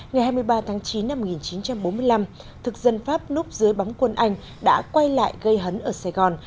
ngày hai mươi ba tháng chín năm một nghìn chín trăm bốn mươi năm thực dân pháp núp dưới bóng quân anh đã quay lại gây hấn ở sài gòn